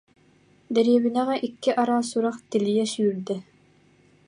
Дэриэбинэҕэ икки араас сурах тилийэ сүүрдэ